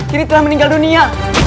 kini telah meninggal dunia